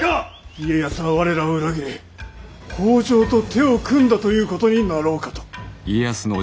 家康は我らを裏切り北条と手を組んだということになろうかと。